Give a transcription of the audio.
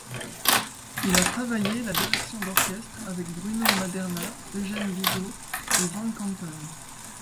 Il a travaillé la direction d'orchestre avec Bruno Maderna, Eugène Bigot et van Kempen.